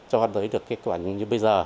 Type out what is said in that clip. cho tới được kết quả như bây giờ